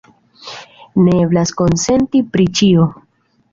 Ne eblas konsenti pri ĉio.